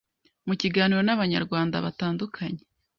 Mu kiganiro n’Abanyarwanda batandukanye